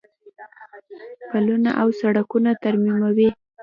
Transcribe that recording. پلونه او سړکونه ترمیموي.